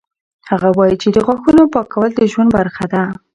هغه وایي چې د غاښونو پاکول د ژوند برخه ده.